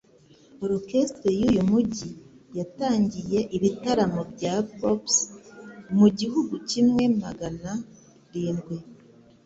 Orchestre yuyu mujyi yatangiye ibitaramo bya Pops mu gihumbi kimwe Magana rindwi